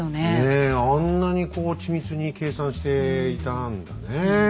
あんなにこう緻密に計算していたんだね。